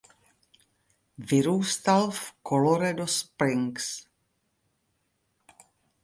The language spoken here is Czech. Vyrůstal v Colorado Springs.